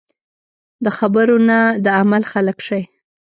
د خبرو نه د عمل خلک شئ .